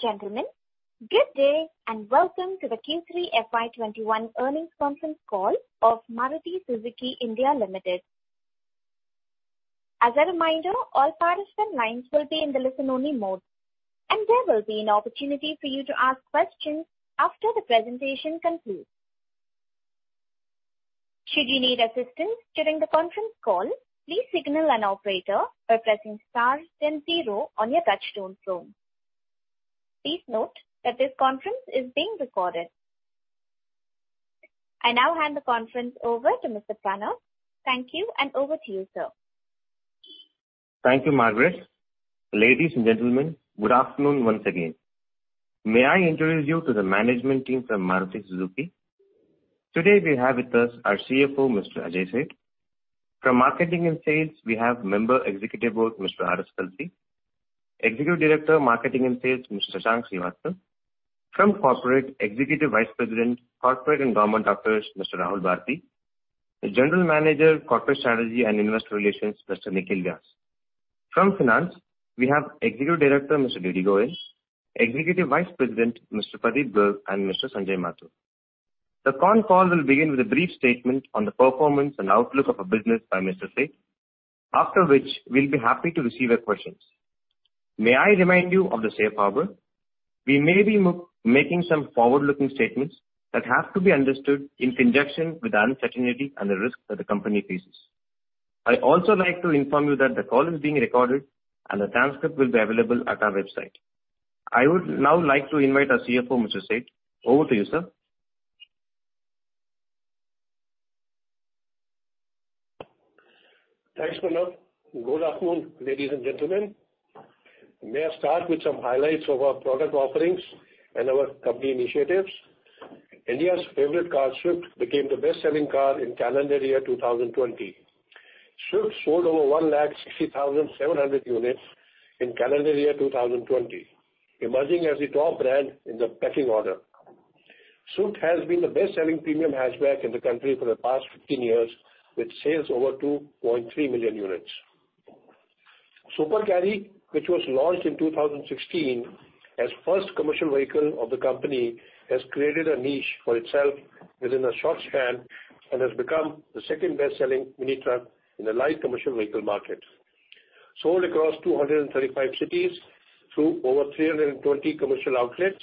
Ladies and gentlemen, good day and welcome to the Q3 FY2021 Earnings Conference Call of Maruti Suzuki India Limited. As a reminder, all participant lines will be in the listen-only mode, and there will be an opportunity for you to ask questions after the presentation concludes. Should you need assistance during the conference call, please signal an operator by pressing star then zero on your touchstone phone. Please note that this conference is being recorded. I now hand the conference over to Mr. Pranav. Thank you, and over to you, sir. Thank you, Margaret. Ladies and gentlemen, good afternoon once again. May I introduce you to the management team from Maruti Suzuki? Today, we have with us our CFO, Mr. Ajay Seth. From Marketing and Sales, we have Member Executive Board, Mr. R.S. Kalsi, Executive Director, Marketing and Sales, Mr. Shashank Srivastava, from Corporate, Executive Vice President, Corporate and Government Affairs, Mr. Rahul Bharti, the General Manager, Corporate Strategy and Investor Relations, Mr. Nikhil Vyas. From Finance, we have Executive Director, Mr. DD Goyal, Executive Vice President, Mr. Pradeep Garg, and Mr. Sanjay Mathur. The con call will begin with a brief statement on the performance and outlook of our business by Mr. Seth, after which we'll be happy to receive your questions. May I remind you of the safe harbor? We may be making some forward-looking statements that have to be understood in conjunction with the uncertainty and the risks that the company faces. I'd also like to inform you that the call is being recorded, and the transcript will be available at our website. I would now like to invite our CFO, Mr. Seth. Over to you, sir. Thanks, Pranav. Good afternoon, ladies and gentlemen. May I start with some highlights of our product offerings and our company initiatives? India's favorite car, Swift, became the best-selling car in calendar year 2020. Swift sold over 160,700 units in calendar year 2020, emerging as the top brand in the pecking order. Swift has been the best-selling premium hatchback in the country for the past 15 years, with sales over 2.3 million units. Super Carry, which was launched in 2016 as the first commercial vehicle of the company, has created a niche for itself within a short span and has become the second best-selling mini truck in the light commercial vehicle market. Sold across 235 cities through over 320 commercial outlets,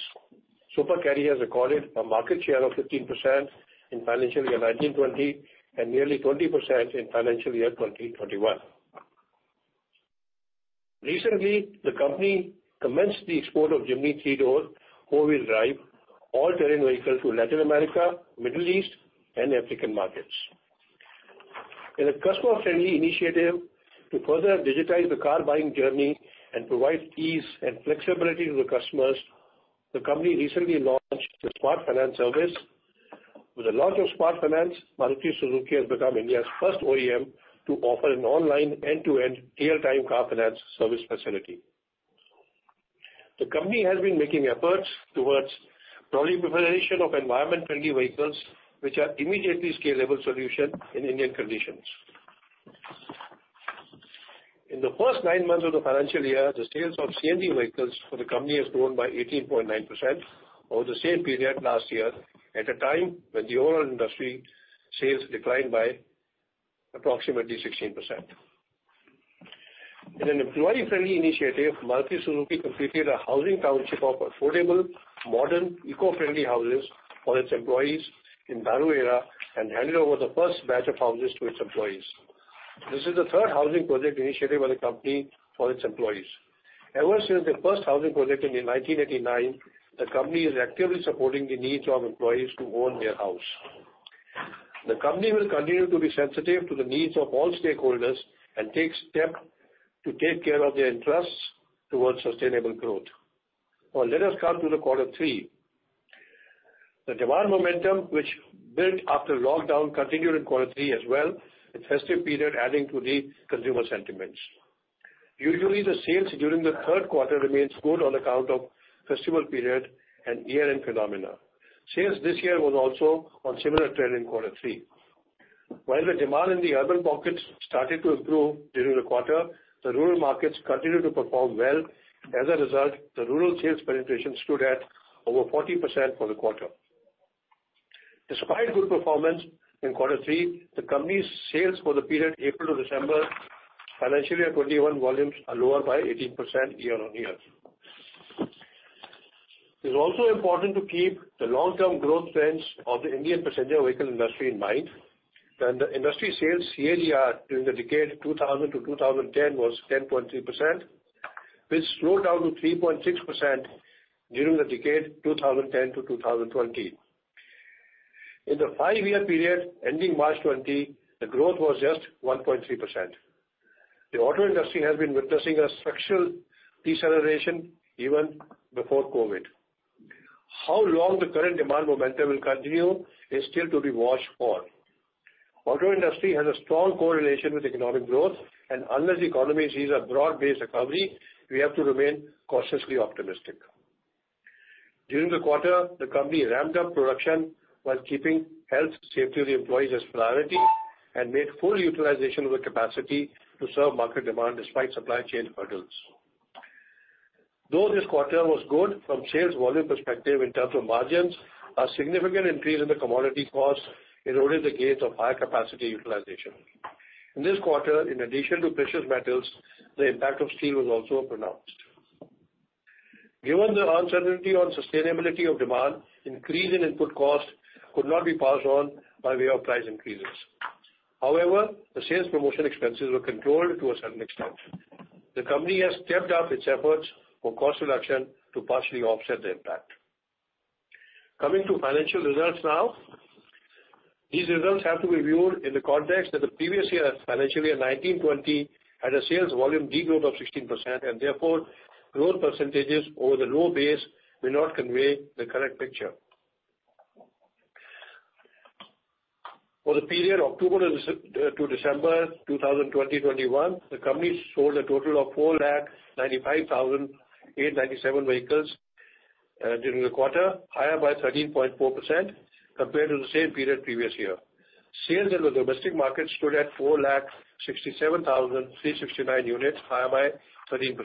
Super Carry has recorded a market share of 15% in financial year 2019-2020 and nearly 20% in financial year 2020-2021. Recently, the company commenced the export of Jimny three-door, four-wheel drive, all-terrain vehicles to Latin America, Middle East, and African markets. In a customer-friendly initiative to further digitize the car-buying journey and provide ease and flexibility to the customers, the company recently launched the Smart Finance service. With the launch of Smart Finance, Maruti Suzuki has become India's 1st OEM to offer an online end-to-end real-time car finance service facility. The company has been making efforts towards the proliferation of environment-friendly vehicles, which are an immediately scalable solution in Indian conditions. In the 1st nine months of the financial year, the sales of CNG vehicles for the company have grown by 18.9% over the same period last year, at a time when the overall industry sales declined by approximately 16%. In an employee-friendly initiative, Maruti Suzuki completed a housing township of affordable, modern, eco-friendly houses for its employees in Dharuheda area and handed over the first batch of houses to its employees. This is the third housing project initiative of the company for its employees. Ever since the first housing project in 1989, the company is actively supporting the needs of employees to own their house. The company will continue to be sensitive to the needs of all stakeholders and take steps to take care of their interests towards sustainable growth. Now, let us come to the quarter three. The demand momentum, which built after lockdown, continued in quarter three as well, with the festive period adding to the consumer sentiments. Usually, the sales during the 3rd quarter remain good on account of the festival period and year-end phenomena. Sales this year were also on a similar trend in quarter three. While the demand in the urban pockets started to improve during the quarter, the rural markets continued to perform well. As a result, the rural sales penetration stood at over 40% for the quarter. Despite good performance in quarter three, the company's sales for the period April to December, financial year 2021, volumes are lower by 18% year-on-year. It is also important to keep the long-term growth trends of the Indian passenger vehicle industry in mind. The industry sales CAGR during the decade 2000-2010 was 10.3%, which slowed down to 3.6% during the decade 2010-2020. In the five-year period ending March 2020, the growth was just 1.3%. The auto industry has been witnessing a structural deceleration even before COVID. How long the current demand momentum will continue is still to be watched for. The auto industry has a strong correlation with economic growth, and unless the economy sees a broad-based recovery, we have to remain cautiously optimistic. During the quarter, the company ramped up production while keeping health and safety of the employees as a priority and made full utilization of the capacity to serve market demand despite supply chain hurdles. Though this quarter was good from a sales volume perspective, in terms of margins, a significant increase in the commodity costs eroded the gains of higher capacity utilization. In this quarter, in addition to precious metals, the impact of steel was also pronounced. Given the uncertainty on the sustainability of demand, an increase in input costs could not be passed on by way of price increases. However, the sales promotion expenses were controlled to a certain extent. The company has stepped up its efforts for cost reduction to partially offset the impact. Coming to financial results now, these results have to be viewed in the context that the previous year, financial year 2019-2020, had a sales volume degrowth of 16%, and therefore, growth percentages over the low base will not convey the correct picture. For the period October to December 2020-2021, the company sold a total of 495,897 vehicles during the quarter, higher by 13.4% compared to the same period previous year. Sales in the domestic market stood at 467,369 units, higher by 13%,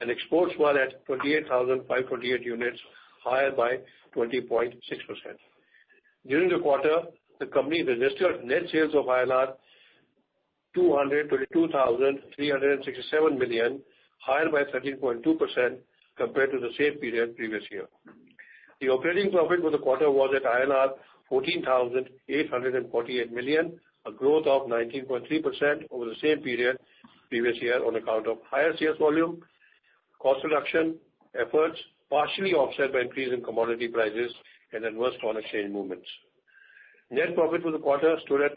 and exports were at 28,528 units, higher by 20.6%. During the quarter, the company registered net sales of 222,367 million, higher by 13.2% compared to the same period previous year. The operating profit for the quarter was at INR 14,848 million, a growth of 19.3% over the same period previous year on account of higher sales volume, cost reduction efforts partially offset by increase in commodity prices and adverse foreign exchange movements. Net profit for the quarter stood at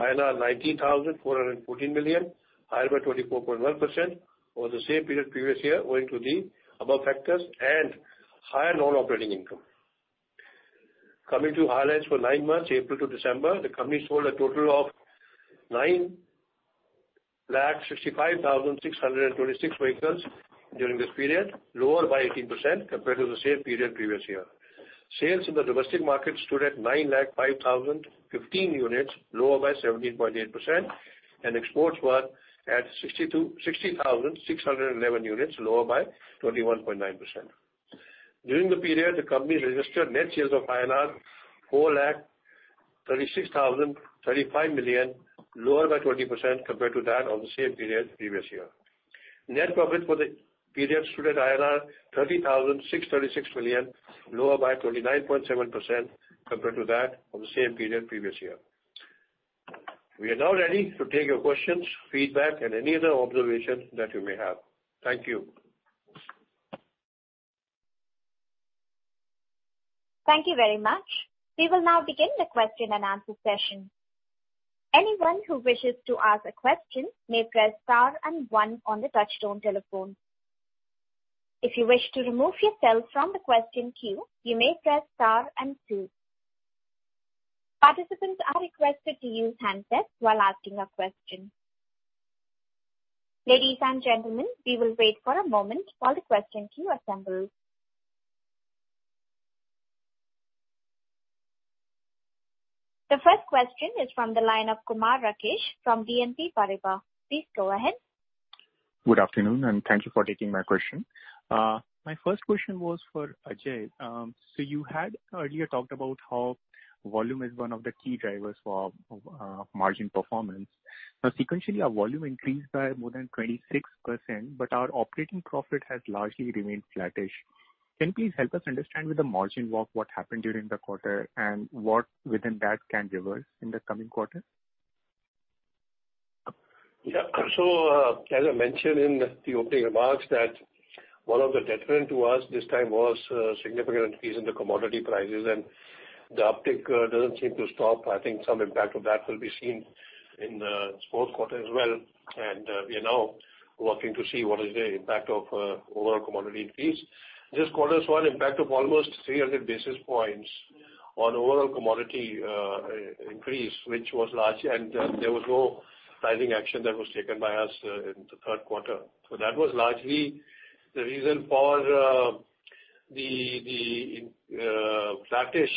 19,414 million, higher by 24.1% over the same period previous year, owing to the above factors and higher non-operating income. Coming to highlights for nine months, April to December, the company sold a total of 965,646 vehicles during this period, lower by 18% compared to the same period previous year. Sales in the domestic market stood at 905,015 units, lower by 17.8%, and exports were at 60,611 units, lower by 21.9%. During the period, the company registered net sales of INR 436,035 million, lower by 20% compared to that of the same period previous year. Net profit for the period stood at 30,626 million, lower by 29.7% compared to that of the same period previous year. We are now ready to take your questions, feedback, and any other observations that you may have. Thank you. Thank you very much. We will now begin the question and answer session. Anyone who wishes to ask a question may press star and one on the touchstone telephone. If you wish to remove yourself from the question queue, you may press star and two. Participants are requested to use handsets while asking a question. Ladies and gentlemen, we will wait for a moment while the question queue assembles. The first question is from the line of Kumar Rakesh from BNP Paribas. Please go ahead. Good afternoon, and thank you for taking my question. My first question was for Ajay. You had earlier talked about how volume is one of the key drivers for margin performance. Now, sequentially, our volume increased by more than 26%, but our operating profit has largely remained flattish. Can you please help us understand with the margin what happened during the quarter and what within that can reverse in the coming quarter? Yeah. As I mentioned in the opening remarks, one of the deterrents to us this time was a significant increase in the commodity prices, and the uptick doesn't seem to stop. I think some impact of that will be seen in the 4th quarter as well, and we are now working to see what is the impact of overall commodity increase. This quarter saw an impact of almost 300 basis points on overall commodity increase, which was large, and there was no pricing action that was taken by us in the 3rd quarter. That was largely the reason for the flattish.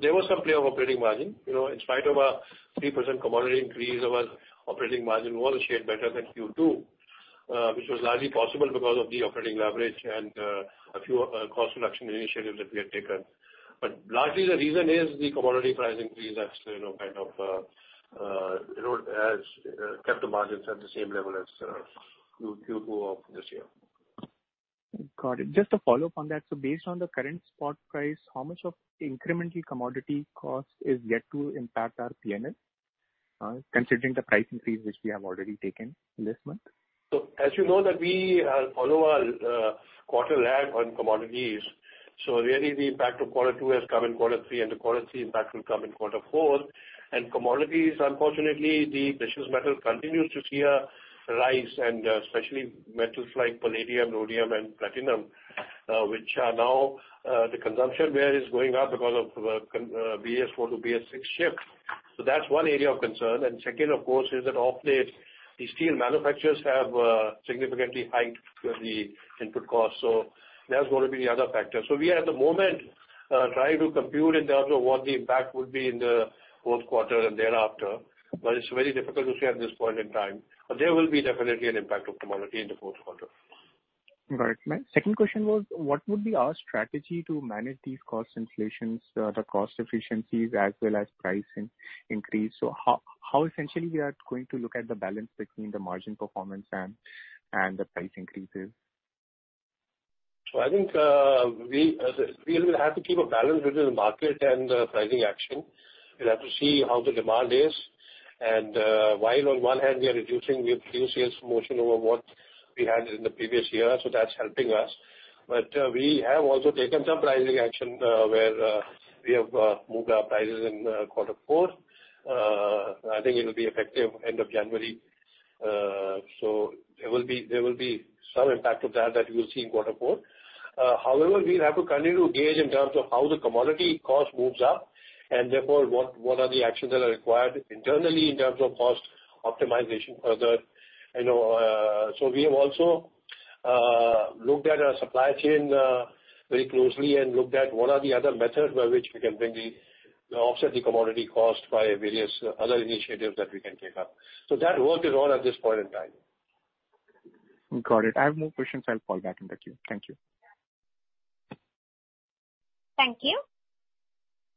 There was some play of operating margin. In spite of a 3% commodity increase, our operating margin was a shade better than Q2, which was largely possible because of the operating leverage and a few cost reduction initiatives that we had taken. Largely, the reason is the commodity price increase has kind of kept the margins at the same level as Q2 of this year. Got it. Just to follow up on that, based on the current spot price, how much of incremental commodity cost is yet to impact our P&L, considering the price increase which we have already taken this month? As you know, we follow our quarter lag on commodities. Really, the impact of quarter two has come in quarter three, and the quarter three impact will come in quarter four. Commodities, unfortunately, the precious metal continues to see a rise, and especially metals like palladium, rhodium, and platinum, which are now the consumption where it is going up because of the BS-IV to BS-VI shift. That is one area of concern. Second, of course, is that of late, the steel manufacturers have significantly hiked the input costs. That is going to be the other factor. We are at the moment trying to compute in terms of what the impact would be in the 4th quarter and thereafter, but it is very difficult to say at this point in time. There will be definitely an impact of commodity in the 4th quarter. Got it. My second question was, what would be our strategy to manage these cost inflations, the cost efficiencies, as well as price increase? How essentially we are going to look at the balance between the margin performance and the price increases? I think we will have to keep a balance between the market and the pricing action. We'll have to see how the demand is. While on one hand, we are reducing, we have reduced sales promotion over what we had in the previous year, so that's helping us. We have also taken some pricing action where we have moved our prices in quarter four. I think it will be effective end of January. There will be some impact of that that we will see in quarter four. However, we'll have to continue to gauge in terms of how the commodity cost moves up, and therefore, what are the actions that are required internally in terms of cost optimization further. We have also looked at our supply chain very closely and looked at what are the other methods by which we can offset the commodity cost by various other initiatives that we can take up. That work is on at this point in time. Got it. I have no questions. I'll fall back into queue. Thank you. Thank you.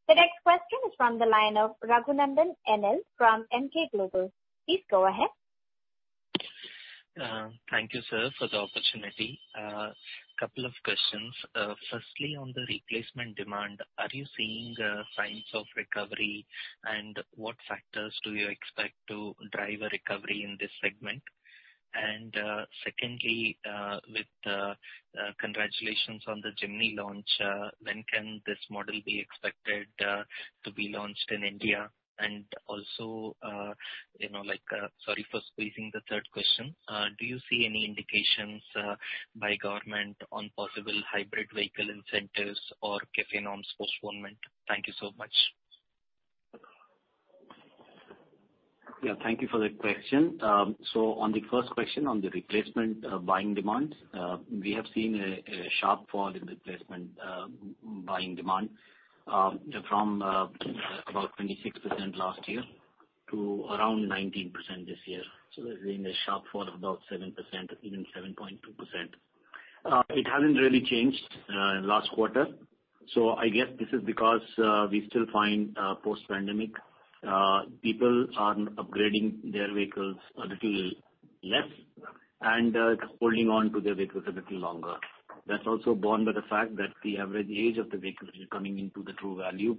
The next question is from the line of Raghunandan NL from Emkay Global. Please go ahead. Thank you, sir, for the opportunity. A couple of questions. Firstly, on the replacement demand, are you seeing signs of recovery, and what factors do you expect to drive a recovery in this segment? Secondly, with the congratulations on the Jimny launch, when can this model be expected to be launched in India? Also, sorry for squeezing the third question, do you see any indications by government on possible hybrid vehicle incentives or CAFE norms postponement? Thank you so much. Yeah, thank you for the question. On the first question on the replacement buying demand, we have seen a sharp fall in the replacement buying demand from about 26% last year to around 19% this year. There has been a sharp fall of about 7%, even 7.2%. It has not really changed in the last quarter. I guess this is because we still find post-pandemic people are upgrading their vehicles a little less and holding on to their vehicles a little longer. That is also borne by the fact that the average age of the vehicles coming into the True Value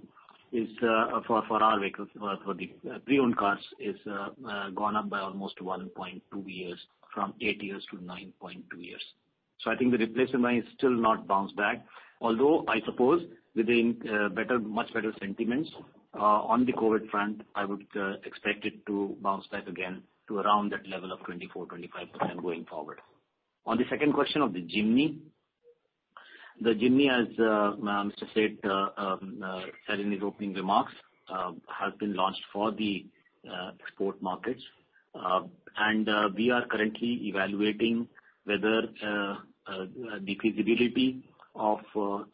for our vehicles, for the pre-owned cars, has gone up by almost 1.2 years from 8 years to 9.2 years. I think the replacement buying is still not bounced back. Although I suppose within much better sentiments on the COVID front, I would expect it to bounce back again to around that level of 24%-25% going forward. On the second question of the Jimny, the Jimny, as Mr. Seth said in his opening remarks, has been launched for the export markets, and we are currently evaluating whether the feasibility of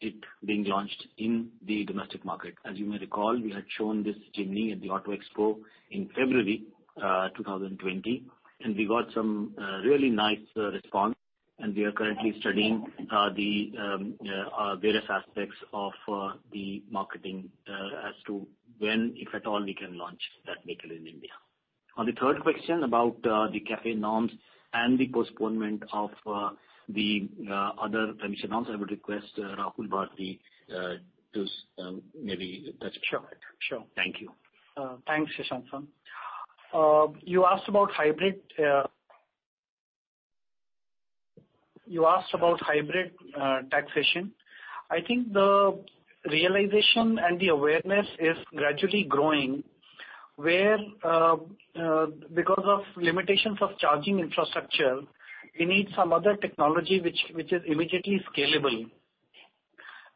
it being launched in the domestic market. As you may recall, we had shown this Jimny at the Auto Expo in February 2020, and we got some really nice response, and we are currently studying the various aspects of the marketing as to when, if at all, we can launch that vehicle in India. On the third question about the CAFE norms and the postponement of the other permission norms, I would request Rahul Bharti to maybe touch on it. Sure. Sure. Thank you. Thanks, Shashank. You asked about hybrid taxation. I think the realization and the awareness is gradually growing where because of limitations of charging infrastructure, we need some other technology which is immediately scalable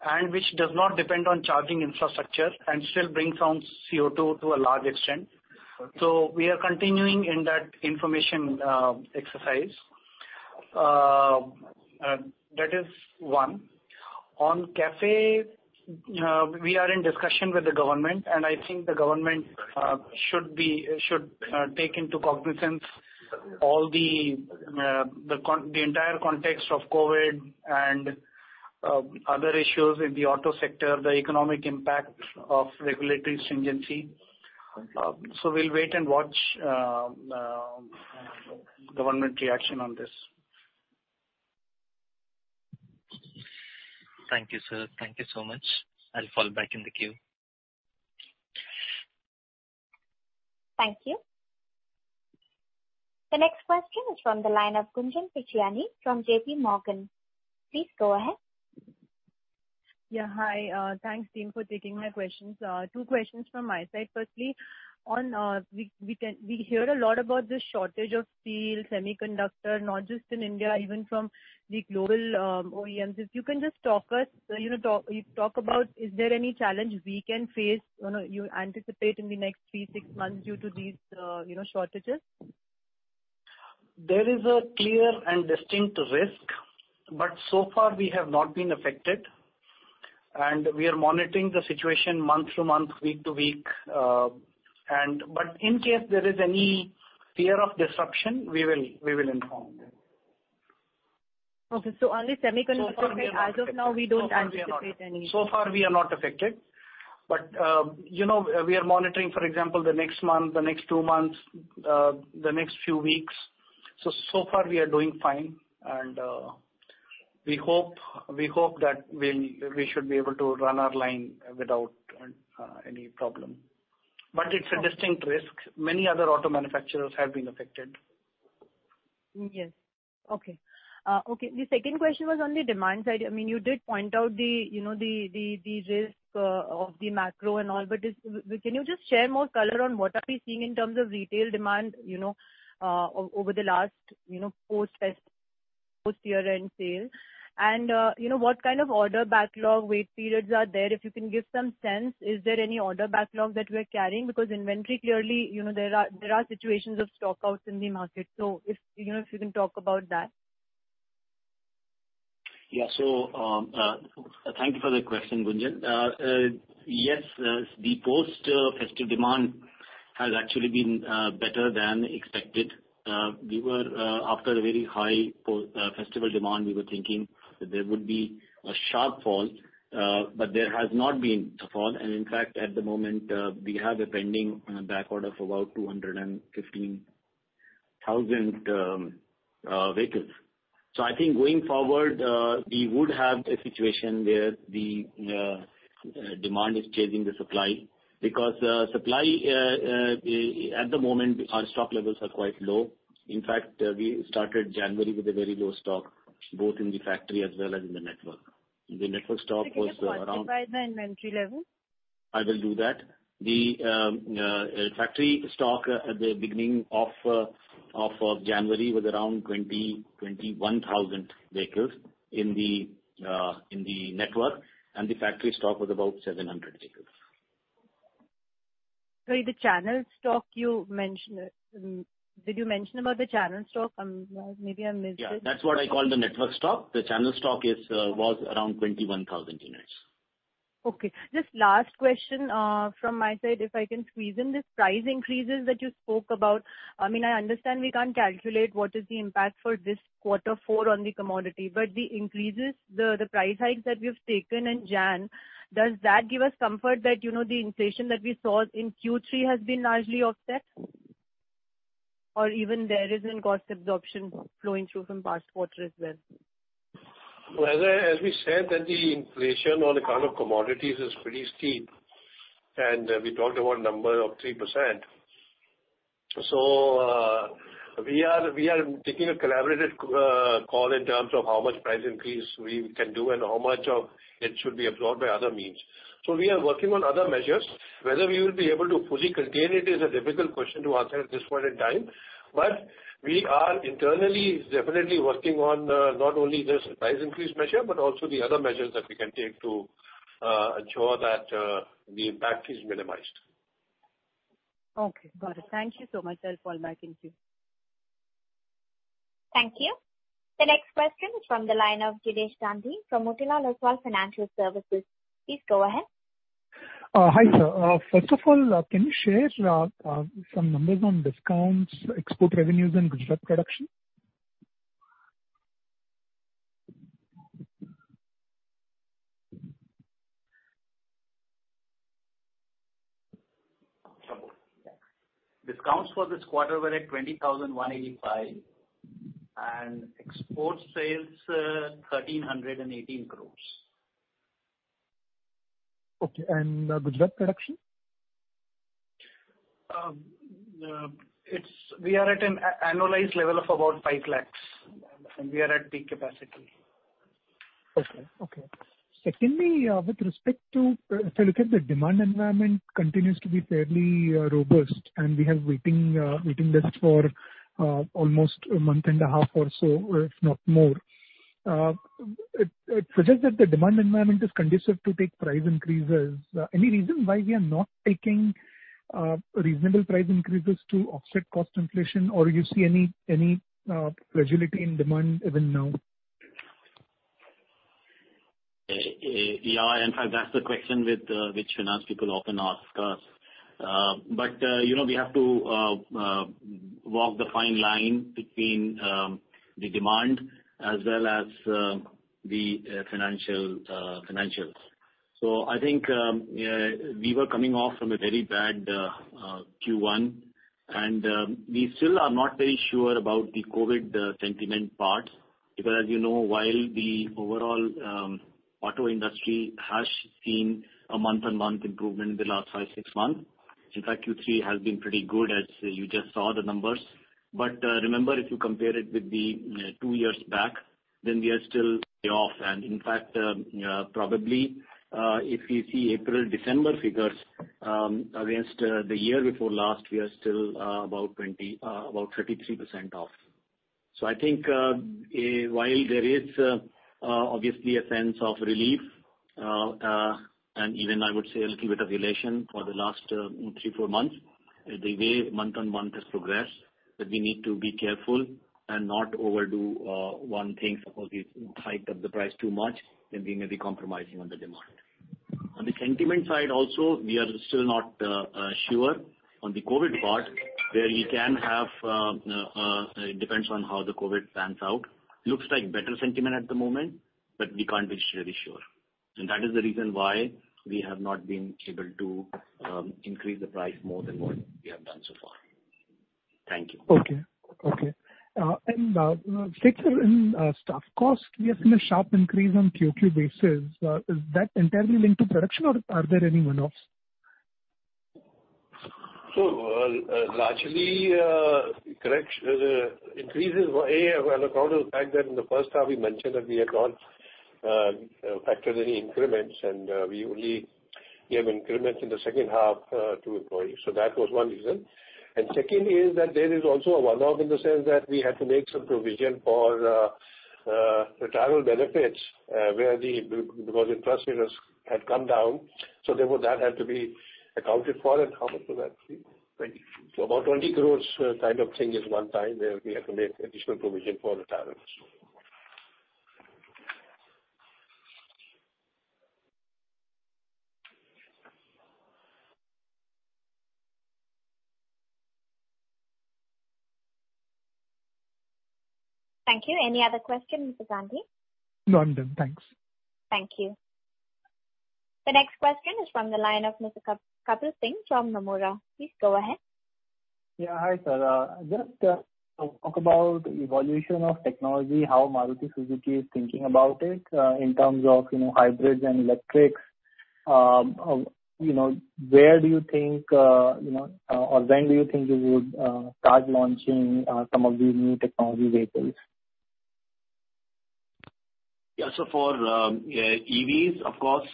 and which does not depend on charging infrastructure and still brings down CO2 to a large extent. We are continuing in that information exercise. That is one. On CAFE, we are in discussion with the government, and I think the government should take into cognizance all the entire context of COVID and other issues in the auto sector, the economic impact of regulatory stringency. We will wait and watch government reaction on this. Thank you, sir. Thank you so much. I'll fall back in the queue. Thank you. The next question is from the line of Kunjan Pichiani from JP Morgan. Please go ahead. Yeah, hi. Thanks, team, for taking my questions. Two questions from my side. Firstly, we hear a lot about the shortage of steel, semiconductor, not just in India, even from the global OEMs. If you can just talk to us, talk about, is there any challenge we can face, you anticipate in the next three, six months due to these shortages? There is a clear and distinct risk, but so far, we have not been affected, and we are monitoring the situation month to month, week to week. In case there is any fear of disruption, we will inform you. Okay. On the semiconductor, as of now, we don't anticipate any. So far, we are not affected, but we are monitoring, for example, the next month, the next two months, the next few weeks. So far, we are doing fine, and we hope that we should be able to run our line without any problem. It is a distinct risk. Many other auto manufacturers have been affected. Yes. Okay. Okay. The second question was on the demand side. I mean, you did point out the risk of the macro and all, but can you just share more color on what are we seeing in terms of retail demand over the last post-year-end sale? What kind of order backlog wait periods are there? If you can give some sense, is there any order backlog that we are carrying? Because inventory, clearly, there are situations of stockouts in the market. If you can talk about that. Yeah. Thank you for the question, Gunjan. Yes, the post-festival demand has actually been better than expected. After a very high festival demand, we were thinking that there would be a sharp fall, but there has not been a fall. In fact, at the moment, we have a pending backorder for about 215,000 vehicles. I think going forward, we would have a situation where the demand is chasing the supply because supply at the moment, our stock levels are quite low. In fact, we started January with a very low stock, both in the factory as well as in the network. The network stock was around. Can you specify the inventory level? I will do that. The factory stock at the beginning of January was around 21,000 vehicles in the network, and the factory stock was about 700 vehicles. Sorry, the channel stock you mentioned, did you mention about the channel stock? Maybe I missed it. Yeah. That's what I call the network stock. The channel stock was around 21,000 units. Okay. Just last question from my side, if I can squeeze in this price increases that you spoke about. I mean, I understand we can't calculate what is the impact for this quarter four on the commodity, but the increases, the price hikes that we have taken in January, does that give us comfort that the inflation that we saw in Q3 has been largely offset? Or even there isn't cost absorption flowing through from past quarter as well? As we said, the inflation on the kind of commodities is pretty steep, and we talked about a number of 3%. We are taking a collaborative call in terms of how much price increase we can do and how much of it should be absorbed by other means. We are working on other measures. Whether we will be able to fully contain it is a difficult question to answer at this point in time, but we are internally definitely working on not only the price increase measure, but also the other measures that we can take to ensure that the impact is minimized. Okay. Got it. Thank you so much, sir. I'll fall back in Q. Thank you. The next question is from the line of Jinesh Gandhi from Motilal Oswal Financial Services. Please go ahead. Hi, sir. First of all, can you share some numbers on discounts, export revenues, and goods reproduction? Discounts for this quarter were at 20,185, and export sales 1,318 crores. Okay. And Gujarat reproduction? We are at an annualized level of about 500,000, and we are at peak capacity. Okay. Okay. Secondly, with respect to if I look at the demand environment, it continues to be fairly robust, and we have waiting lists for almost a month and a half or so, if not more. It suggests that the demand environment is conducive to take price increases. Any reason why we are not taking reasonable price increases to offset cost inflation, or do you see any fragility in demand even now? Yeah. In fact, that's the question which finance people often ask us. We have to walk the fine line between the demand as well as the financials. I think we were coming off from a very bad Q1, and we still are not very sure about the COVID sentiment part because, as you know, while the overall auto industry has seen a month-on-month improvement in the last five, six months, in fact, Q3 has been pretty good, as you just saw the numbers. Remember, if you compare it with two years back, we are still off. In fact, probably if you see April-December figures against the year before last, we are still about 33% off. I think while there is obviously a sense of relief and even, I would say, a little bit of elation for the last three, four months, the way month-on-month has progressed, that we need to be careful and not overdo one thing, suppose the height of the price too much, then we may be compromising on the demand. On the sentiment side also, we are still not sure on the COVID part where we can have it depends on how the COVID pans out. Looks like better sentiment at the moment, but we can't be really sure. That is the reason why we have not been able to increase the price more than what we have done so far. Thank you. Okay. Okay. And Sir, cost, we have seen a sharp increase on Q2 basis. Is that entirely linked to production, or are there any one-offs? Largely, correction increases are a part of the fact that in the first half, we mentioned that we had not factored any increments, and we only gave increments in the second half to employees. That was one reason. Second is that there is also a one-off in the sense that we had to make some provision for retirement benefits because inflation has come down. That had to be accounted for. How much was that? About 200,000,000 kind of thing is one time where we had to make additional provision for retirements. Thank you. Any other question, Mr. Gandhi? No, I'm done. Thanks. Thank you. The next question is from the line of Mr. Kapil Singh from Nomura. Please go ahead. Yeah. Hi, sir. Just to talk about the evolution of technology, how Maruti Suzuki is thinking about it in terms of hybrids and electrics. Where do you think or when do you think you would start launching some of these new technology vehicles? Yeah. For EVs, of course,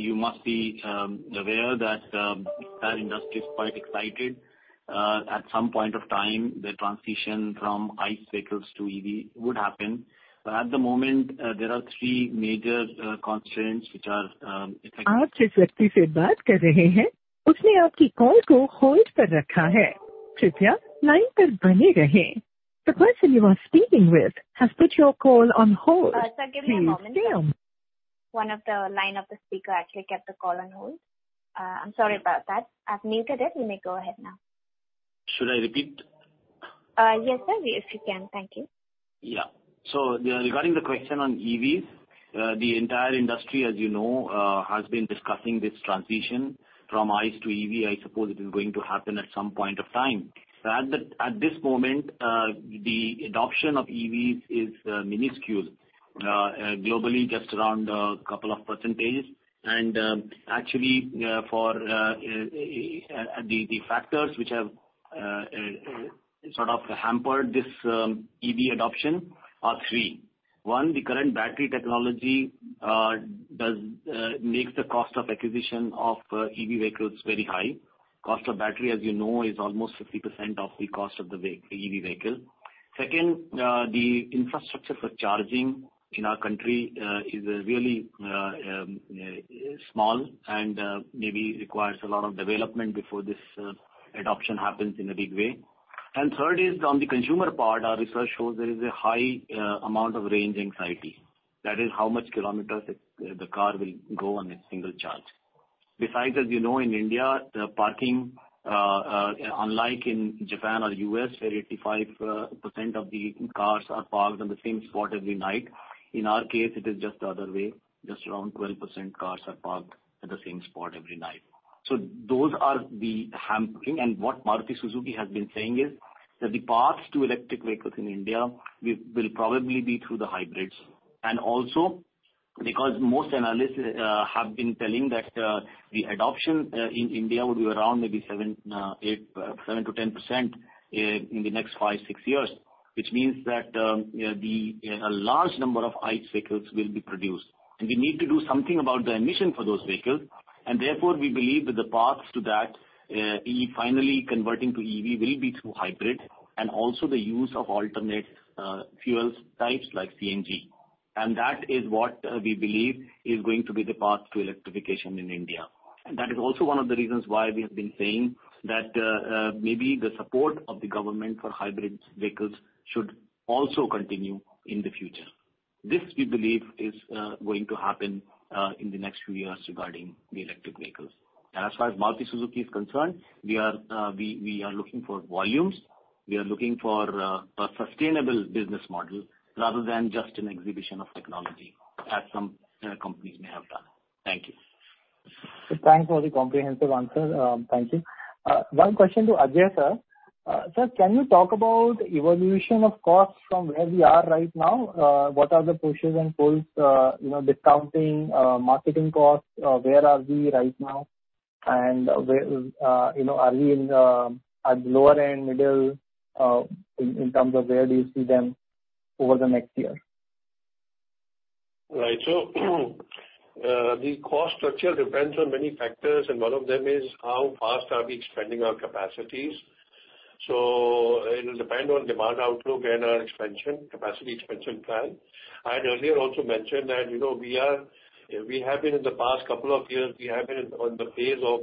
you must be aware that the entire industry is quite excited. At some point of time, the transition from ICE vehicles to EV would happen. At the moment, there are three major constraints which are affecting. Arch's reprieved at reha. उसने आपकी call को hold पर रखा है। कृपया line पर बने रहें। The person you are speaking with has put your call on hold. Arch, give me a moment. One of the line of the speaker actually kept the call on hold. I'm sorry about that. I've muted it. You may go ahead now. Should I repeat? Yes, sir, if you can. Thank you. Yeah. Regarding the question on EVs, the entire industry, as you know, has been discussing this transition from ICE to EV. I suppose it is going to happen at some point of time. At this moment, the adoption of EVs is minuscule, globally just around a couple of percentage. Actually, the factors which have sort of hampered this EV adoption are three. One, the current battery technology makes the cost of acquisition of EV vehicles very high. Cost of battery, as you know, is almost 50% of the cost of the EV vehicle. Second, the infrastructure for charging in our country is really small and maybe requires a lot of development before this adoption happens in a big way. Third is, on the consumer part, our research shows there is a high amount of range anxiety. That is how much kilometers the car will go on a single charge. Besides, as you know, in India, the parking, unlike in Japan or the U.S., where 85% of the cars are parked on the same spot every night, in our case, it is just the other way. Just around 12% cars are parked at the same spot every night. Those are the hampering. What Maruti Suzuki has been saying is that the path to electric vehicles in India will probably be through the hybrids. Also, because most analysts have been telling that the adoption in India would be around maybe 7%-10% in the next five, six years, which means that a large number of ICE vehicles will be produced. We need to do something about the emission for those vehicles. Therefore, we believe that the path to that, finally converting to EV, will be through hybrid and also the use of alternate fuel types like CNG. That is what we believe is going to be the path to electrification in India. That is also one of the reasons why we have been saying that maybe the support of the government for hybrid vehicles should also continue in the future. This, we believe, is going to happen in the next few years regarding the electric vehicles. As far as Maruti Suzuki is concerned, we are looking for volumes. We are looking for a sustainable business model rather than just an exhibition of technology, as some companies may have done. Thank you. Thanks for the comprehensive answer. Thank you. One question to Ajay, sir. Sir, can you talk about the evolution of costs from where we are right now? What are the pushes and pulls, discounting, marketing costs? Where are we right now? Are we at the lower end, middle in terms of where do you see them over the next year? Right. The cost structure depends on many factors, and one of them is how fast we are expanding our capacities. It will depend on demand outlook and our capacity expansion plan. I had earlier also mentioned that in the past couple of years, we have been in the phase of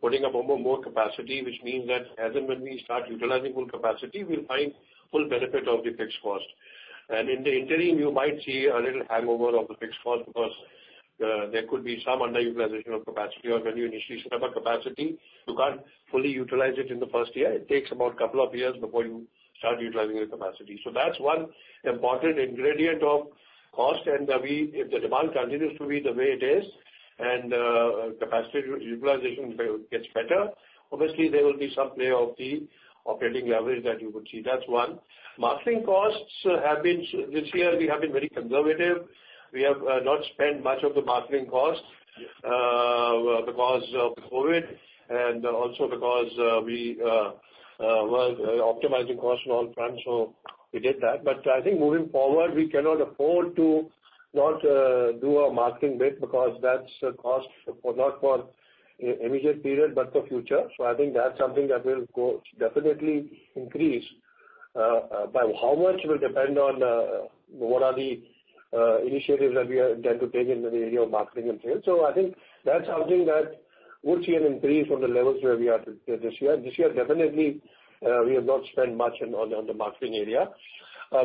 putting up more capacity, which means that as and when we start utilizing full capacity, we will find full benefit of the fixed cost. In the interim, you might see a little hangover of the fixed cost because there could be some underutilization of capacity. When you initially set up a capacity, you cannot fully utilize it in the first year. It takes about a couple of years before you start utilizing the capacity. That is one important ingredient of cost. If the demand continues to be the way it is and capacity utilization gets better, obviously, there will be some play of the operating leverage that you would see. That's one. Marketing costs have been this year, we have been very conservative. We have not spent much of the marketing cost because of COVID and also because we were optimizing costs in all fronts. We did that. I think moving forward, we cannot afford to not do our marketing bid because that's a cost not for the immediate period, but for future. I think that's something that will definitely increase. How much will depend on what are the initiatives that we intend to take in the area of marketing and sales. I think that's something that would see an increase on the levels where we are this year. This year, definitely, we have not spent much on the marketing area.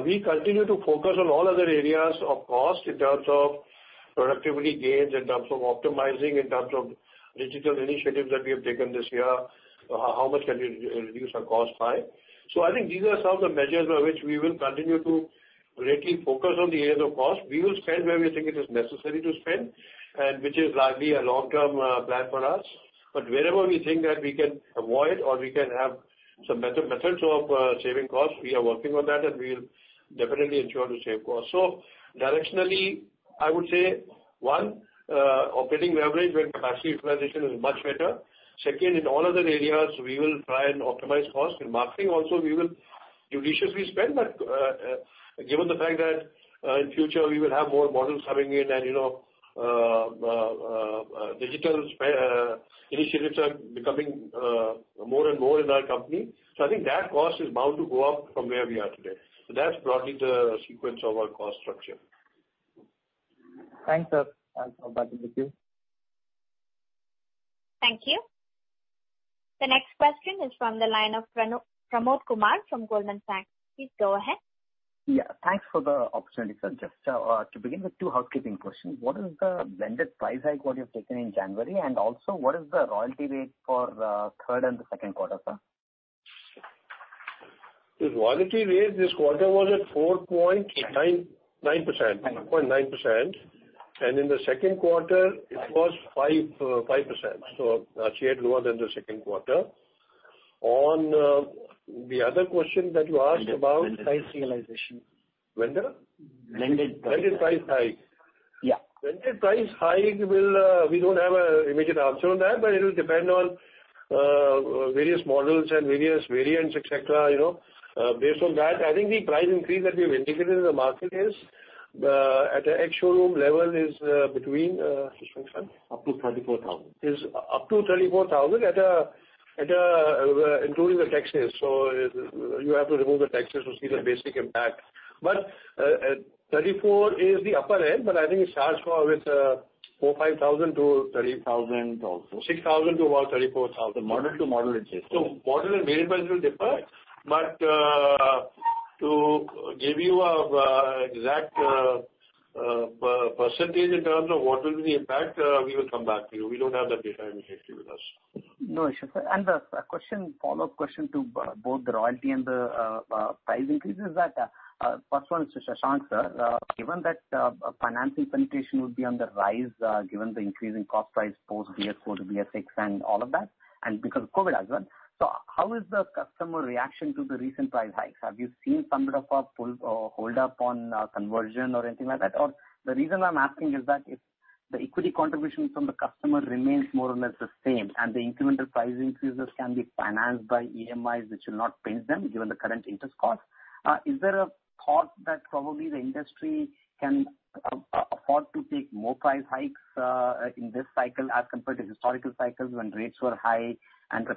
We continue to focus on all other areas of cost in terms of productivity gains, in terms of optimizing, in terms of digital initiatives that we have taken this year. How much can we reduce our cost by? I think these are some of the measures by which we will continue to greatly focus on the areas of cost. We will spend where we think it is necessary to spend, which is likely a long-term plan for us. Wherever we think that we can avoid or we can have some better methods of saving costs, we are working on that, and we will definitely ensure to save costs. Directionally, I would say, one, operating leverage when capacity utilization is much better. Second, in all other areas, we will try and optimize cost in marketing. Also, we will judiciously spend. Given the fact that in future, we will have more models coming in and digital initiatives are becoming more and more in our company, I think that cost is bound to go up from where we are today. That's broadly the sequence of our cost structure. Thanks, sir. Thanks for participating. Thank you. The next question is from the line of Pramod Kumar from Goldman Sachs. Please go ahead. Yeah. Thanks for the opportunity, sir. Just to begin with, two housekeeping questions. What is the blended price hike what you've taken in January? Also, what is the royalty rate for the 3rd and the 2nd quarter, sir? The royalty rate this quarter was at 4.9%. In the 2nd quarter, it was 5%. She had lower than the 2nd quarter. On the other question that you asked about. Blended price realization. Blended? Blended price hike. Blended price hike. We do not have an immediate answer on that, but it will depend on various models and various variants, etc. Based on that, I think the price increase that we have indicated in the market is at the ex-showroom level is between Shashank Srivastava. Up to 34,000. is up to 34,000 including the taxes. You have to remove the taxes to see the basic impact. 34,000 is the upper end, but I think it starts with 4,000-5,000 to 30,000. 6,000 to about 34,000. Model to model it is. Model and variant-wise will differ. To give you an exact percentage in terms of what will be the impact, we will come back to you. We do not have that data immediately with us. No issue, sir. A follow-up question to both the royalty and the price increase is that the first one is to Shashank, sir. Given that financial penetration would be on the rise given the increase in cost price post BS-IV to BS-VI and all of that, and because of COVID as well, how is the customer reaction to the recent price hikes? Have you seen some bit of a hold-up on conversion or anything like that? The reason I'm asking is that if the equity contribution from the customer remains more or less the same and the incremental price increases can be financed by EMIs which will not pinch them given the current interest cost, is there a thought that probably the industry can afford to take more price hikes in this cycle as compared to historical cycles when rates were high and the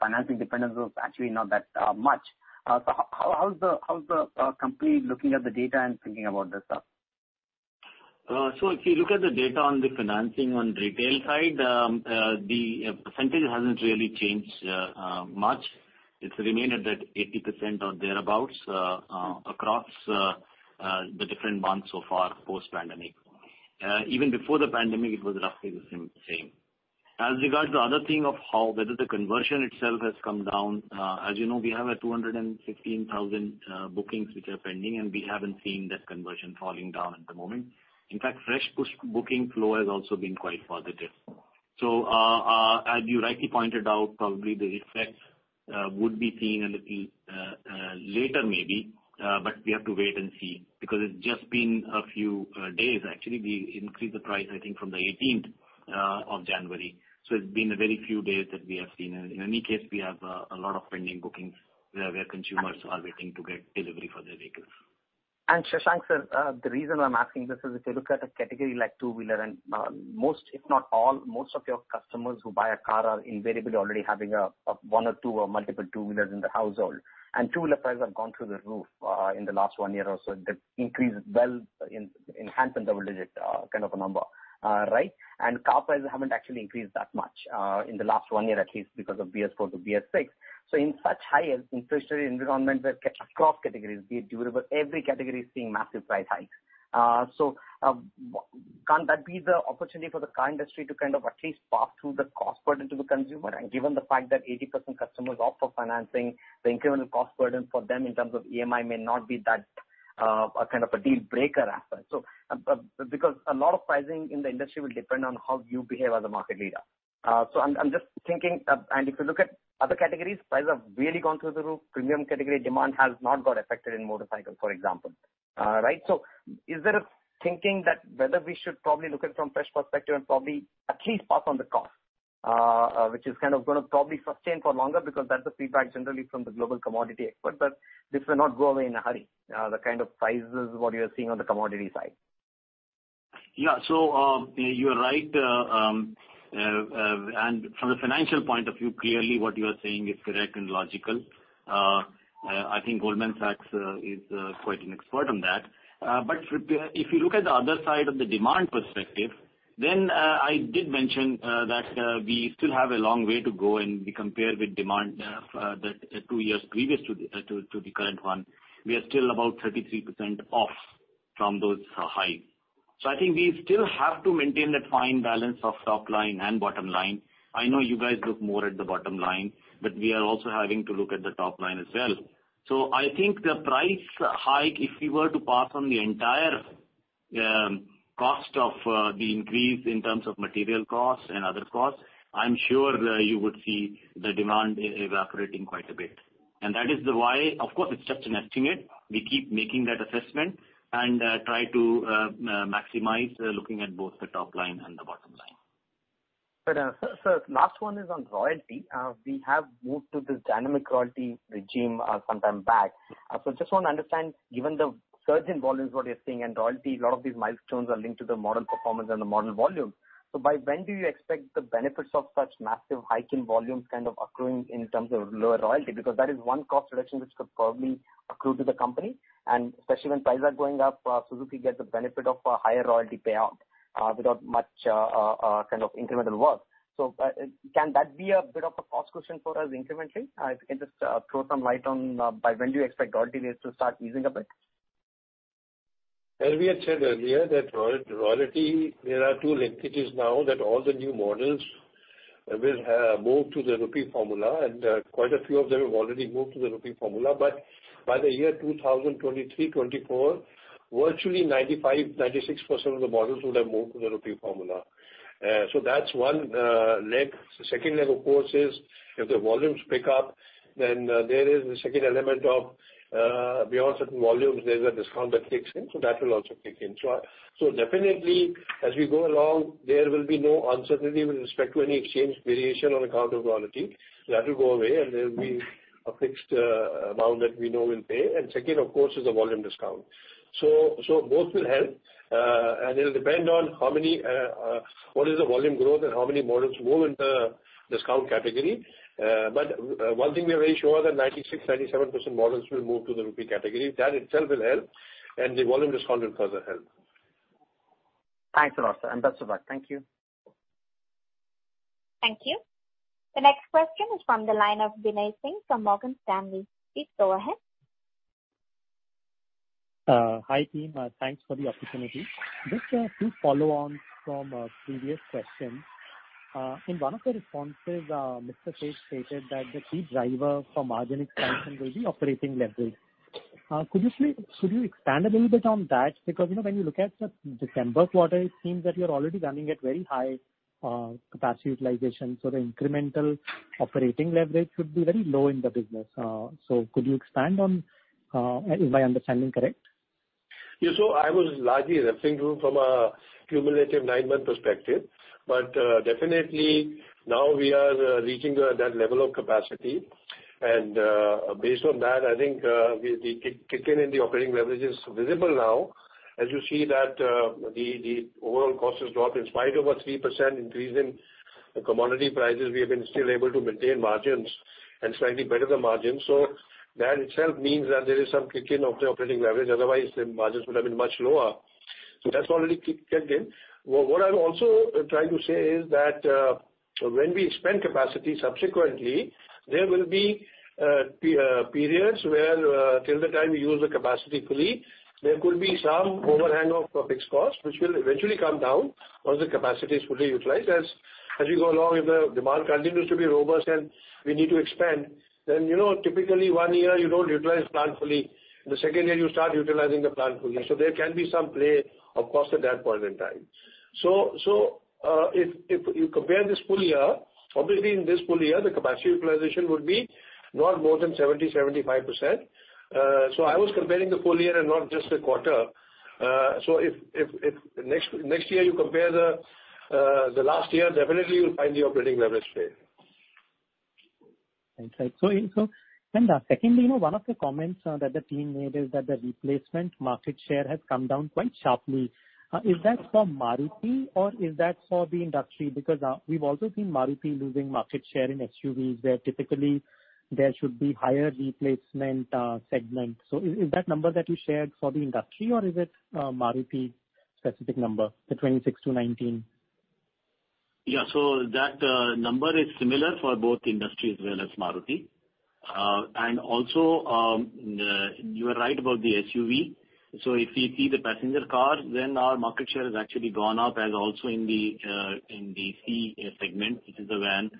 financing dependence was actually not that much? How's the company looking at the data and thinking about this, sir? If you look at the data on the financing on retail side, the percentage hasn't really changed much. It's remained at that 80% or thereabouts across the different months so far post-pandemic. Even before the pandemic, it was roughly the same. As regards to the other thing of whether the conversion itself has come down, as you know, we have 215,000 bookings which are pending, and we haven't seen that conversion falling down at the moment. In fact, fresh booking flow has also been quite positive. As you rightly pointed out, probably the effect would be seen a little later maybe, but we have to wait and see because it's just been a few days, actually. We increased the price, I think, from the 18th of January. It's been a very few days that we have seen. In any case, we have a lot of pending bookings where consumers are waiting to get delivery for their vehicles. Shashank sir, the reason I'm asking this is if you look at a category like two-wheeler, and most, if not all, most of your customers who buy a car are invariably already having one or two or multiple two-wheelers in the household. Two-wheeler prices have gone through the roof in the last one year or so. They've increased, in hands and double-digit kind of a number, right? Car prices haven't actually increased that much in the last one year, at least because of BS-IV to BS-VI. In such high inflationary environment where across categories, be it durable, every category is seeing massive price hikes. Can't that be the opportunity for the car industry to kind of at least pass through the cost burden to the consumer? Given the fact that 80% customers opt for financing, the incremental cost burden for them in terms of EMI may not be that kind of a deal-breaker aspect. Because a lot of pricing in the industry will depend on how you behave as a market leader. I'm just thinking, and if you look at other categories, prices have really gone through the roof. Premium category demand has not got affected in motorcycle, for example, right? Is there a thinking that whether we should probably look at it from a fresh perspective and probably at least pass on the cost, which is kind of going to probably sustain for longer because that's the feedback generally from the global commodity expert, that this will not go away in a hurry, the kind of prices what you're seeing on the commodity side? Yeah. You're right. From a financial point of view, clearly what you are saying is correct and logical. I think Goldman Sachs is quite an expert on that. If you look at the other side of the demand perspective, then I did mention that we still have a long way to go in the compare with demand two years previous to the current one. We are still about 33% off from those highs. I think we still have to maintain that fine balance of top line and bottom line. I know you guys look more at the bottom line, but we are also having to look at the top line as well. I think the price hike, if you were to pass on the entire cost of the increase in terms of material cost and other costs, I'm sure you would see the demand evaporating quite a bit. That is the why. Of course, it's just an estimate. We keep making that assessment and try to maximize looking at both the top line and the bottom line. Sir, last one is on royalty. We have moved to this dynamic royalty regime some time back. I just want to understand, given the surge in volumes what you're seeing and royalty, a lot of these milestones are linked to the model performance and the model volumes. By when do you expect the benefits of such massive hike in volumes kind of accruing in terms of lower royalty? That is one cost reduction which could probably accrue to the company. Especially when prices are going up, Suzuki gets the benefit of a higher royalty payout without much kind of incremental work. Can that be a bit of a cost question for us incrementally? If you can just throw some light on by when do you expect royalty rates to start easing a bit? As we had said earlier, that royalty, there are two linkages now that all the new models will move to the Rupee formula. Quite a few of them have already moved to the Rupee formula. By the year 2023-2024, virtually 95%-96% of the models would have moved to the Rupee formula. That is one leg. The second leg, of course, is if the volumes pick up, then there is the second element of beyond certain volumes, there is a discount that kicks in. That will also kick in. Definitely, as we go along, there will be no uncertainty with respect to any exchange variation on account of royalty. That will go away, and there will be a fixed amount that we know we will pay. Second, of course, is the volume discount. Both will help. It will depend on what is the volume growth and how many models move in the discount category. One thing we are very sure of is that 96%-97% models will move to the Rupee category. That itself will help. The volume discount will further help. Thanks a lot, sir. Best of luck. Thank you. Thank you. The next question is from the line of Binay Singh from Morgan Stanley. Please go ahead. Hi team. Thanks for the opportunity. Just a few follow-ons from a previous question. In one of the responses, Mr. Seth stated that the key driver for margin expansion will be operating leverage. Could you expand a little bit on that? Because when you look at the December quarter, it seems that you're already running at very high capacity utilization. The incremental operating leverage should be very low in the business. Could you expand on, is my understanding correct? Yeah. I was largely referring to it from a cumulative nine-month perspective. Definitely, now we are reaching that level of capacity. Based on that, I think the kick-in in the operating leverage is visible now. As you see, the overall cost has dropped in spite of a 3% increase in commodity prices. We have been still able to maintain margins and slightly better the margins. That itself means that there is some kick-in of the operating leverage. Otherwise, the margins would have been much lower. That has already kicked in. What I am also trying to say is that when we expand capacity subsequently, there will be periods where, till the time we use the capacity fully, there could be some overhang of fixed cost, which will eventually come down once the capacity is fully utilized. As we go along, if the demand continues to be robust and we need to expand, typically one year you don't utilize the plant fully. The second year you start utilizing the plant fully. There can be some play of cost at that point in time. If you compare this full year, obviously in this full year, the capacity utilization would be not more than 70%-75%. I was comparing the full year and not just the quarter. If next year you compare the last year, definitely you'll find the operating leverage there. Thank you. Secondly, one of the comments that the team made is that the replacement market share has come down quite sharply. Is that for Maruti or is that for the industry? Because we've also seen Maruti losing market share in SUVs where typically there should be higher replacement segment. Is that number that you shared for the industry or is it Maruti-specific, the 26 to 19? Yeah. So that number is similar for both industry as well as Maruti. You were right about the SUV. If we see the passenger car, then our market share has actually gone up as also in the C segment, which is the van,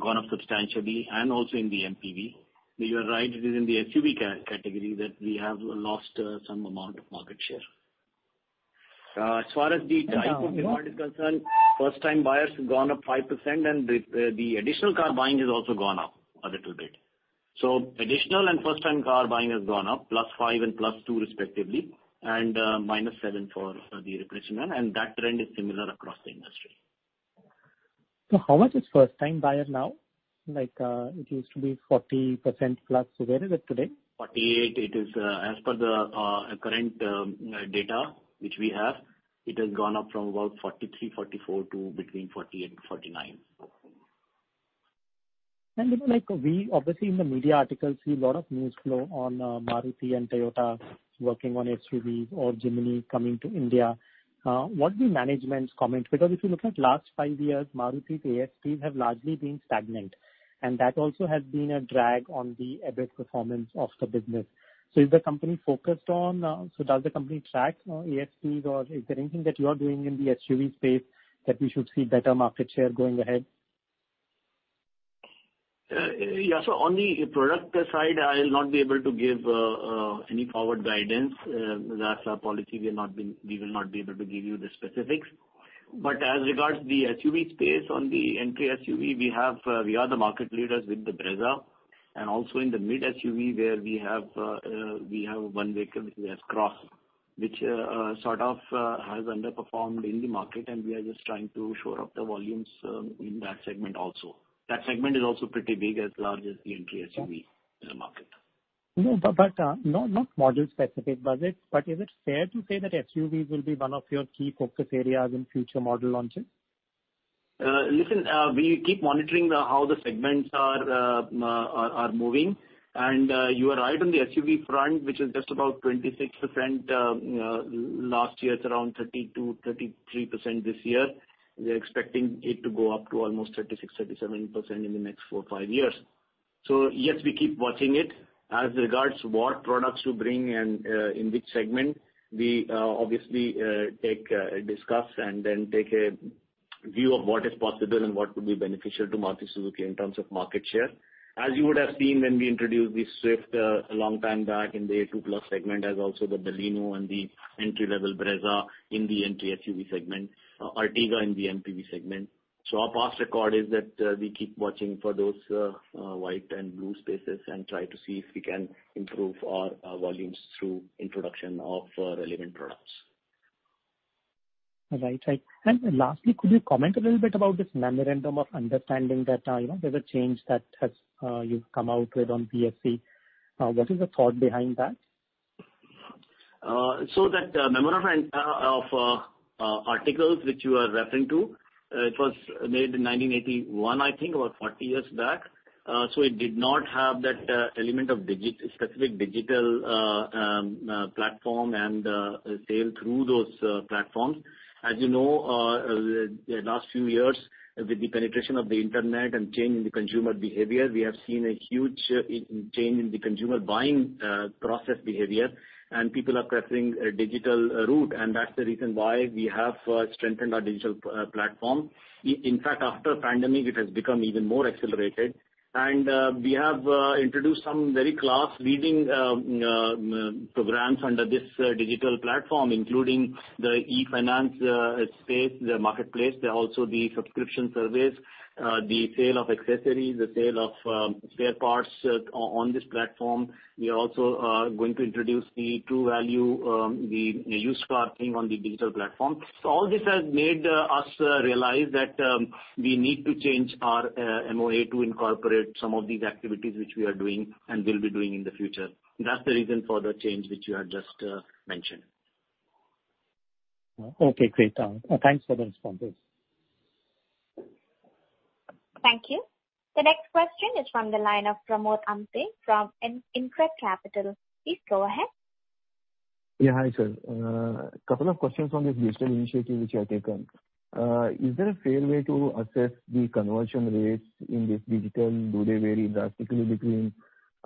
gone up substantially. Also in the MPV. You are right, it is in the SUV category that we have lost some amount of market share. As far as the type of demand is concerned, first-time buyers have gone up 5%, and the additional car buying has also gone up a little bit. So additional and first-time car buying has gone up, +5% and +2% respectively, and -7% for the replacement. That trend is similar across the industry. How much is first-time buyer now? It used to be 40% plus. Where is it today? It is, as per the current data which we have, it has gone up from about 43%, 44% to between 48% and 49%. We obviously in the media articles see a lot of news flow on Maruti and Toyota working on SUVs or Jimny coming to India. What do management comment? Because if you look at last five years, Maruti's ASPs have largely been stagnant. That also has been a drag on the EBIT performance of the business. Is the company focused on, so does the company track ASPs or is there anything that you are doing in the SUV space that we should see better market share going ahead? Yeah. On the product side, I'll not be able to give any forward guidance. That's our policy. We will not be able to give you the specifics. As regards the SUV space, on the entry SUV, we are the market leaders with the Brezza. Also, in the mid SUV where we have one vehicle, which is S-Cross, which sort of has underperformed in the market, we are just trying to shore up the volumes in that segment also. That segment is also pretty big, as large as the entry SUV in the market. Not model-specific, but is it fair to say that SUVs will be one of your key focus areas in future model launches? Listen, we keep monitoring how the segments are moving. You are right on the SUV front, which is just about 26% last year, around 32%-33% this year. We are expecting it to go up to almost 36%-37% in the next four or five years. Yes, we keep watching it. As regards to what products to bring and in which segment, we obviously discuss and then take a view of what is possible and what would be beneficial to Maruti Suzuki in terms of market share. As you would have seen when we introduced the Swift a long time back in the A2 Plus segment, as also the Baleno and the entry-level Brezza in the entry SUV segment, Ertiga in the MPV segment. Our past record is that we keep watching for those white and blue spaces and try to see if we can improve our volumes through introduction of relevant products. Right. Lastly, could you comment a little bit about this memorandum of understanding that there's a change that you've come out with on BSC? What is the thought behind that? That memorandum of articles which you are referring to, it was made in 1981, I think, about 40 years back. It did not have that element of specific digital platform and sale through those platforms. As you know, the last few years, with the penetration of the internet and change in the consumer behavior, we have seen a huge change in the consumer buying process behavior, and people are preferring a digital route. That is the reason why we have strengthened our digital platform. In fact, after the pandemic, it has become even more accelerated. We have introduced some very class-leading programs under this digital platform, including the e-finance space, the marketplace. There are also the subscription service, the sale of accessories, the sale of spare parts on this platform. We are also going to introduce the true value, the used car thing on the digital platform. All this has made us realize that we need to change our MOA to incorporate some of these activities which we are doing and will be doing in the future. That's the reason for the change which you have just mentioned. Okay. Great. Thanks for the responses. Thank you. The next question is from the line of Pramod Amthe from InCred Capital. Please go ahead. Yeah. Hi, sir. A couple of questions on this digital initiative which I've taken. Is there a fair way to assess the conversion rates in this digital? Do they vary drastically between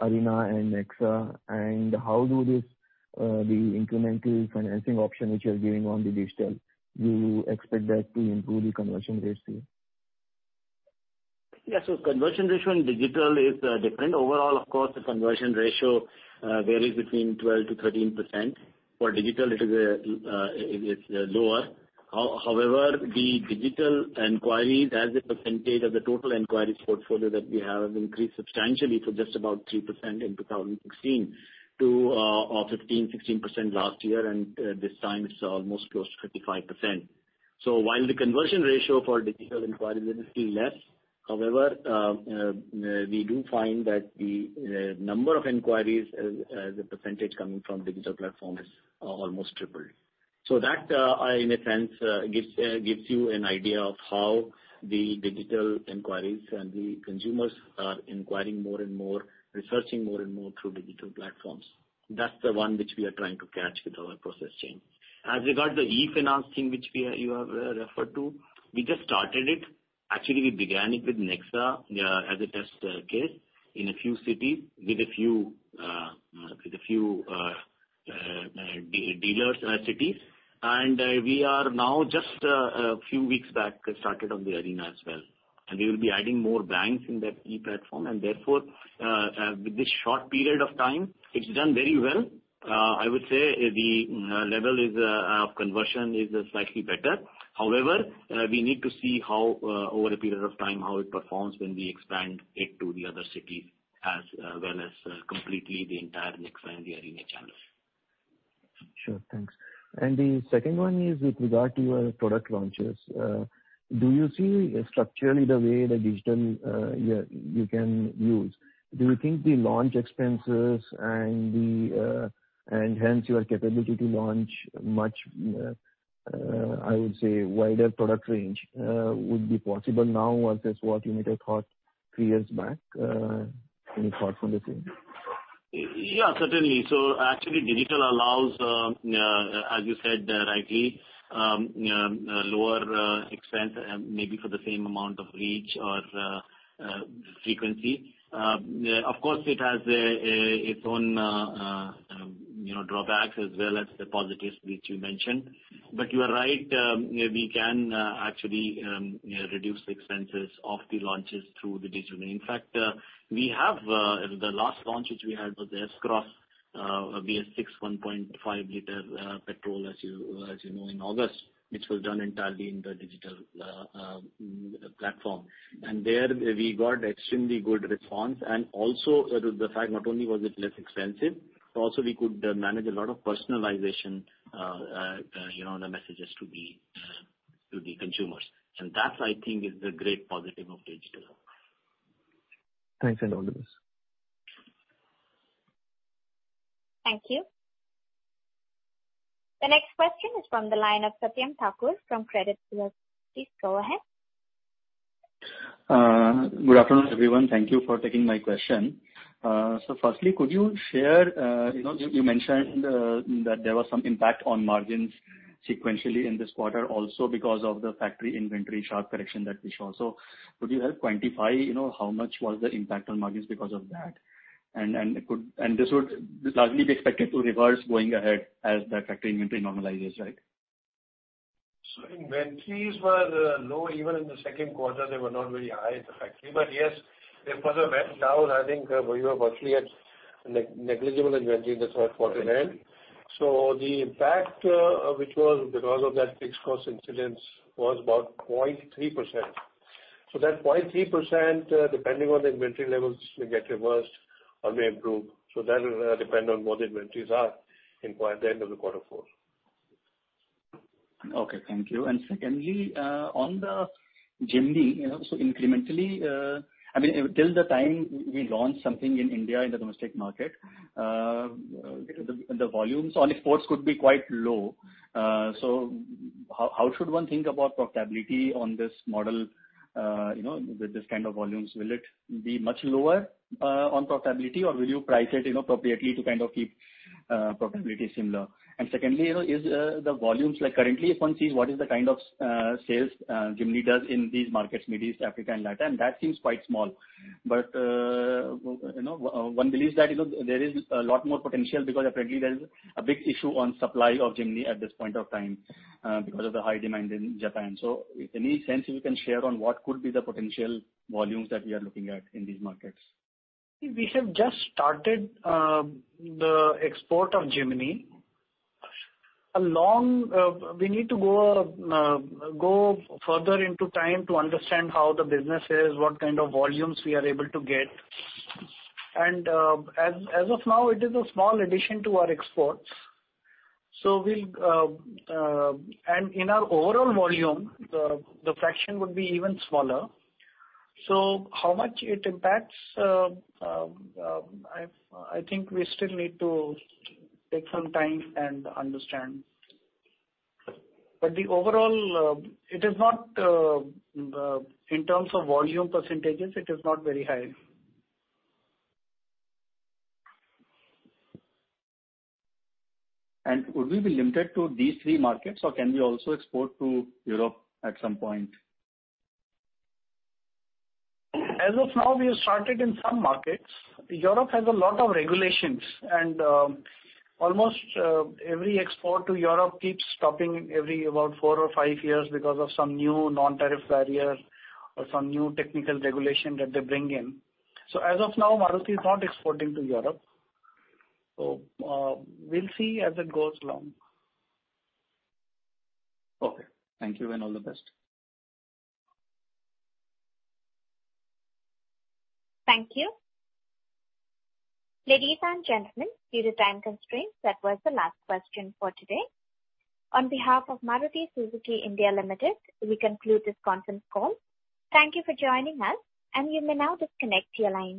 Arena and Nexa? How do the incremental financing option which you are giving on the digital, do you expect that to improve the conversion rates here? Yeah. So conversion ratio in digital is different. Overall, of course, the conversion ratio varies between 12%-13%. For digital, it's lower. However, the digital inquiries, as a percentage of the total inquiries portfolio that we have, have increased substantially from just about 3% in 2016 to 15%-16% last year. This time, it's almost close to 55%. While the conversion ratio for digital inquiries is still less, we do find that the number of inquiries as a percentage coming from digital platform is almost tripled. That, in a sense, gives you an idea of how the digital inquiries and the consumers are inquiring more and more, researching more and more through digital platforms. That's the one which we are trying to catch with our process change. As regards to the e-finance thing which you have referred to, we just started it. Actually, we began it with Nexa as a test case in a few cities with a few dealers' cities. We are now just a few weeks back, started on the Arena as well. We will be adding more banks in that e-platform. Therefore, with this short period of time, it's done very well. I would say the level of conversion is slightly better. However, we need to see over a period of time how it performs when we expand it to the other cities as well as completely the entire Nexa and the Arena channels. Sure. Thanks. The second one is with regard to your product launches. Do you see structurally the way the digital you can use? Do you think the launch expenses and hence your capability to launch much, I would say, wider product range would be possible now versus what you might have thought three years back? Any thoughts on this? Yeah, certainly. Actually, digital allows, as you said rightly, lower expense maybe for the same amount of reach or frequency. Of course, it has its own drawbacks as well as the positives which you mentioned. You are right, we can actually reduce the expenses of the launches through digital. In fact, the last launch which we had was the S-Cross, a BS-VI 1.5-liter petrol, as you know, in August, which was done entirely on the digital platform. There we got extremely good response. Also, the fact, not only was it less expensive, but also we could manage a lot of personalization on the messages to the consumers. That, I think, is the great positive of digital. Thanks, Andolubis. Thank you. The next question is from the line of Satyam Thakur from Credit Suisse. Please go ahead. Good afternoon, everyone. Thank you for taking my question. Firstly, could you share, you mentioned that there was some impact on margins sequentially in this quarter also because of the factory inventory sharp correction that we saw. Could you help quantify how much was the impact on margins because of that? This would largely be expected to reverse going ahead as the factory inventory normalizes, right? Inventories were low even in the second quarter. They were not very high at the factory. Yes, it was a bell down. I think we were roughly at negligible inventory in the third quarter then. The impact, which was because of that fixed cost incidence, was about 0.3%. That 0.3%, depending on the inventory levels, will get reversed or may improve. That will depend on what the inventories are at the end of quarter four. Okay. Thank you. Secondly, on the Jimny, incrementally, I mean, till the time we launch something in India, in the domestic market, the volumes on exports could be quite low. How should one think about profitability on this model with this kind of volumes? Will it be much lower on profitability, or will you price it appropriately to kind of keep profitability similar? Secondly, is the volumes currently, if one sees what is the kind of sales Jimny does in these markets, Middle East, Africa, and Latin, that seems quite small. One believes that there is a lot more potential because apparently there is a big issue on supply of Jimny at this point of time because of the high demand in Japan. If any sense, if you can share on what could be the potential volumes that we are looking at in these markets. We have just started the export of Jimny. We need to go further into time to understand how the business is, what kind of volumes we are able to get. As of now, it is a small addition to our exports. In our overall volume, the fraction would be even smaller. How much it impacts, I think we still need to take some time and understand. Overall, it is not in terms of volume percentages, it is not very high. Would we be limited to these three markets, or can we also export to Europe at some point? As of now, we have started in some markets. Europe has a lot of regulations. Almost every export to Europe keeps stopping every about four or five years because of some new non-tariff barrier or some new technical regulation that they bring in. As of now, Maruti is not exporting to Europe. We will see as it goes along. Okay. Thank you and all the best. Thank you. Ladies and gentlemen, due to time constraints, that was the last question for today. On behalf of Maruti Suzuki India Limited, we conclude this conference call. Thank you for joining us, and you may now disconnect your line.